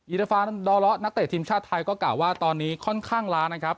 ฟานดอเลาะนักเตะทีมชาติไทยก็กล่าวว่าตอนนี้ค่อนข้างล้านะครับ